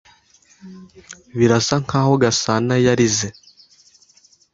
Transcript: Birasa nkaho Gasanayarize.